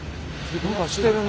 何かしてるね。